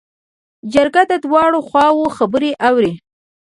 جرګه د دواړو خواوو خبرې اوري.